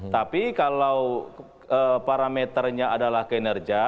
tapi kalau parameternya adalah kinerja